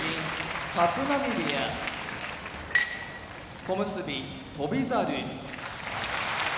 立浪部屋小結・翔猿